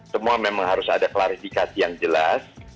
semua memang harus ada klarifikasi yang jelas